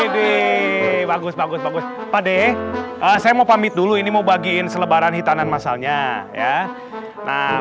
gede bagus bagus bagus pak deh saya mau pamit dulu ini mau bagiin selebaran hitanan masalnya ya nah